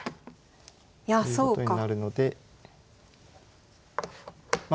いやそうか。ということになるのでまあ